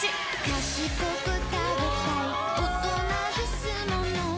かしこく食べたいおとなですものうわ！